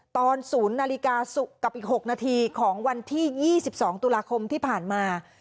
ตอนศูนย์นาฬิกาสุกกับอีกหกนาทีของวันที่ยี่สิบสองตุลาคมที่ผ่านมา